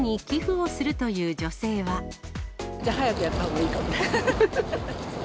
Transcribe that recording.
早くやったほうがいいかもね。